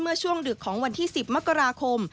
เมื่อช่วงดึกของวันที่๑๐มกราคม